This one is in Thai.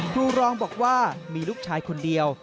ครูรองบอกว่ามีลูกชายคนเดียว